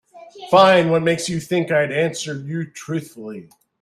Fine, what makes you think I'd answer you truthfully?